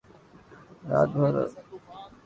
رات بھر روتے رہے مرا کوئی نہیں